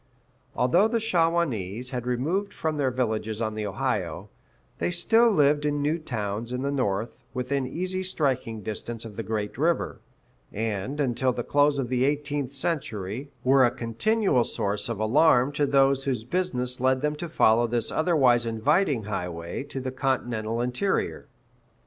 [A] Although the Shawanese had removed from their villages on the Ohio, they still lived in new towns in the north, within easy striking distance of the great river; and, until the close of the eighteenth century, were a continual source of alarm to those whose business led them to follow this otherwise inviting highway to the continental interior.